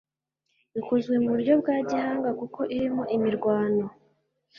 Ikozwe mu buryo bwa gihanga kuko irimo imirwano